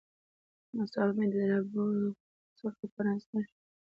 ناڅاپه مې د زړه بوخڅه په پرانيستل شوه.